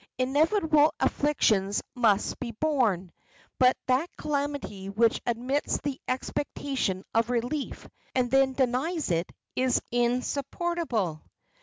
Inevitable afflictions must be borne; but that calamity which admits the expectation of relief, and then denies it, is insupportable.